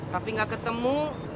tapi gak ketemu